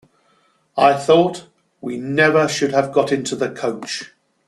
I thought we never should have got into the coach.